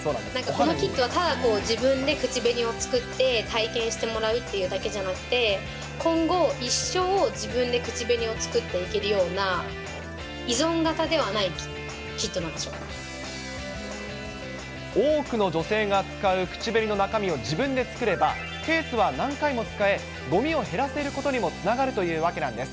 このキットは、ただ自分で口紅を作って、体験してもらうっていうだけじゃなくて、今後、一生、自分で口紅を作っていけるような、多くの女性が使う口紅の中身を自分で作れば、ケースは何回も使え、ごみを減らせることにもつながるというわけです。